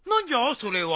それは。